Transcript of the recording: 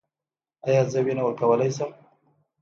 ایا زه وینه ورکولی شم؟